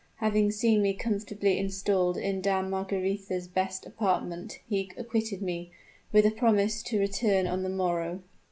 Having seen me comfortably installed in Dame Margaretha's best apartment, he quitted me, with a promise to return on the morrow."